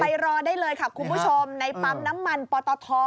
รอได้เลยค่ะคุณผู้ชมในปั๊มน้ำมันปตท